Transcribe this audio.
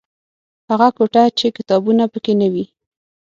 هغه کوټه چې کتابونه پکې نه وي.